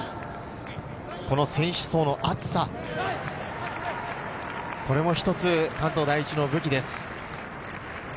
選手層の厚さ、これも一つ、関東第一の武器です。